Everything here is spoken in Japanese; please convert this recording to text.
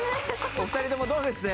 お二人ともどうでした？